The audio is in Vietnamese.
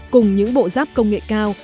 cùng những bộ giáp công nghệ cao